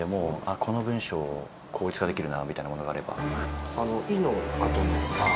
この文章効率化できるなみたいなものがあれば「い」のあとに「あ」